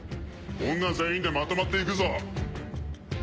女全員でまとまって行くぞ！